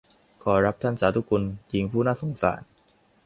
ขอรับ ท่านสาธุคุณ หญิงผู้น่าสงสาร